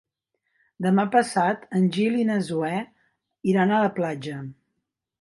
Demà passat en Gil i na Zoè iran a la platja.